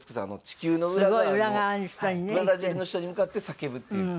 地球の裏側のブラジルの人に向かって叫ぶっていう。